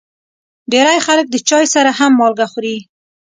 ډېری خلک د چای سره هم مالګه خوري.